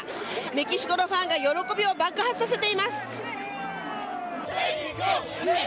メキシコのファンが喜びを爆発させています。